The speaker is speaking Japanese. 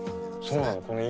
そうなの。